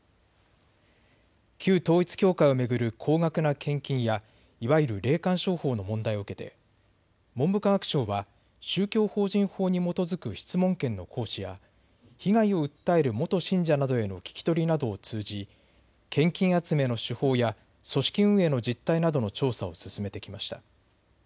旧統一教会を巡る高額な献金やいわゆる霊感商法の問題を受けて文部科学省は宗教法人法に基づく質問権の行使や被害を訴える元信者などへの聞き取りなどを通じ献金集めの手法や組織運営の実態などの調査を進めてきました。